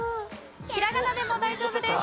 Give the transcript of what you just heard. ひらがなでも大丈夫です。